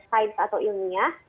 sains atau ilmiah